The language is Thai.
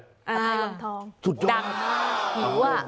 อ๋อดังมากหิวอ่ะ